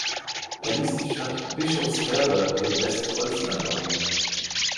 Er ließ die Stadt Bischofswerder im Westpreußen erbauen.